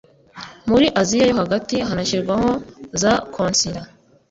muri asia yo hagati, hanashyirwaho za konsila